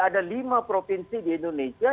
ada lima provinsi di indonesia